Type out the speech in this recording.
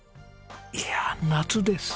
いや夏です。